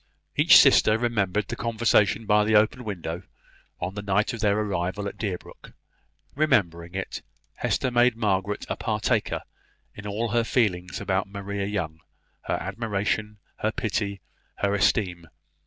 Each sister remembered the conversation by the open window, on the night of their arrival at Deerbrook. Remembering it, Margaret made Hester a partaker in all her feelings about Maria Young; her admiration, her pity, her esteem.